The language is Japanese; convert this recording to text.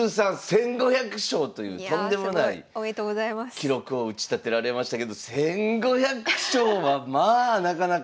記録を打ち立てられましたけど１，５００勝はまあなかなか。